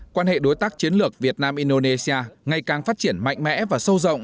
quan hệ đối tác chiến lược việt nam indonesia ngày càng phát triển mạnh mẽ và sâu rộng